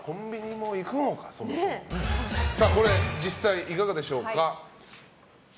実際いかがでしょうか？